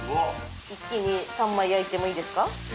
一気に３枚焼いてもいいですか？